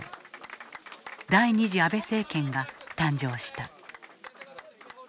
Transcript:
第２次安倍政権が誕生した。